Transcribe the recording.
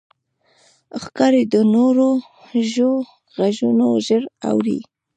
ښکاري د نورو ژوو غږونه ژر اوري.